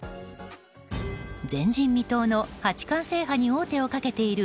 前人未到の八冠制覇に王手をかけている